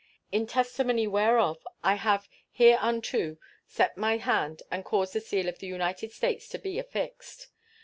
In testimony whereof I have hereunto set my hand and caused the seal of the United States to be affixed.